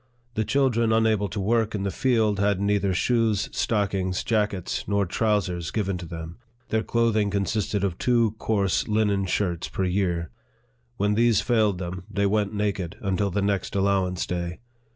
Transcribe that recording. The children unable to work in the field had neither shoes, stockings, jackets, nor trousers, given to them ; their clothing consisted of two coarse linen shirts per year. When these failed them, they went naked until the next allowance day.